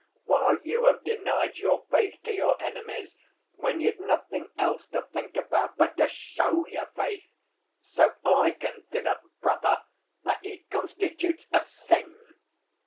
While you have denied your faith to your enemies when you'd nothing else to think about but to show your faith! So I consider, brother, that it constitutes a sin."